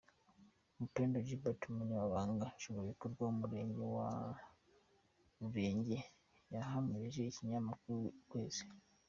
Mapendo Gilbert, umunyamabanga Nshingwabikorwa w’umurenge wa Rurenge, yahamirije ikinyamakuru Ukwezi.